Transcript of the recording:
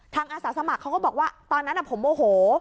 อาสาสมัครเขาก็บอกว่าตอนนั้นผมโมโห